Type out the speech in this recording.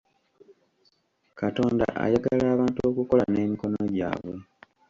Katonda ayagala abantu okukola n'emikono gyabwe.